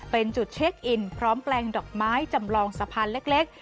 เป็นจุดเช็คอินพร้อมแปลงดอกไม้จำลองสะพานเล็ก